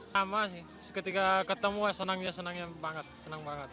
lama sih ketika ketemu senangnya senang banget